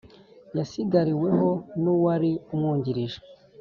yasigariweho n'uwari amwungirije